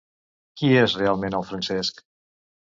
Qui és realment el Francesc?